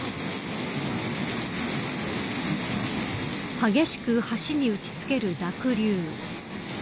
激しく橋に打ち付ける濁流。